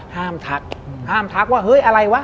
ทักห้ามทักว่าเฮ้ยอะไรวะ